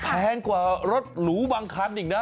แพงกว่ารถหรูบางคันอีกนะ